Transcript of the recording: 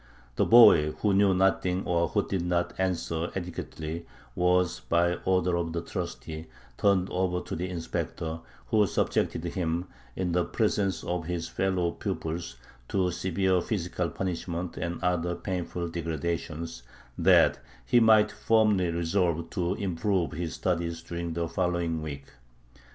The boy who knew nothing or who did not answer adequately was by order of the trustee turned over to the inspector, who subjected him, in the presence of his fellow pupils, to severe physical punishment and other painful degradations, that he might firmly resolve to improve in his studies during the following week.